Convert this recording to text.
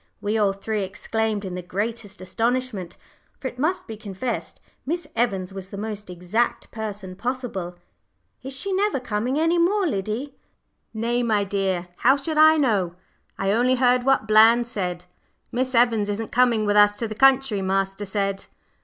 we all three exclaimed in the greatest astonishment, for it must be confessed Miss Evans was the most exact person possible. "Is she never coming any more, Liddy?" Nurse shook her head. "Nay, my dear, how should I know? I only heard what Bland said. Miss Evans isn't coming with us to the country, master said."